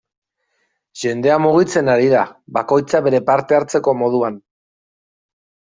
Jendea mugitzen ari da, bakoitza bere parte hartzeko moduan.